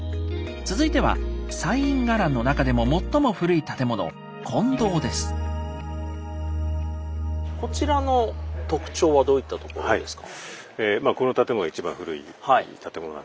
続いては西院伽藍の中でも最も古い建物こちらの特徴はどういったところですか？